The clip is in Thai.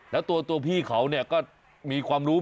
แล้วตัวพี่เขาก็มีความรู้